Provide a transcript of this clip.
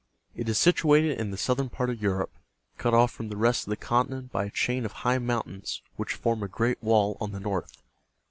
It is situated in the southern part of Europe, cut off from the rest of the continent by a chain of high mountains which form a great wall on the north.